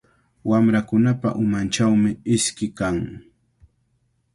Wamrakunapa umanchawmi iski kan.